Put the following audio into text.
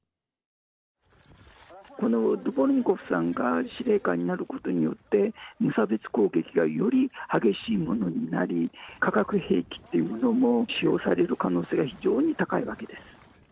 このドボルニコフさんが司令官になることによって、無差別攻撃がより激しいものになり、化学兵器というものも使用される可能性が非常に高いわけです。